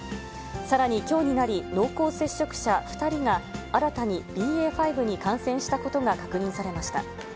さらにきょうになり、濃厚接触者２人が新たにＢＡ．５に感染したことが確認されました。